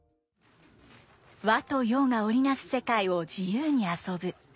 和と洋が織り成す世界を自由に遊ぶ。